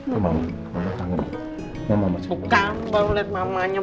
bukan baru liat mamanya